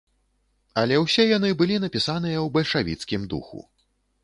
Але ўсе яны былі напісаныя ў бальшавіцкім духу.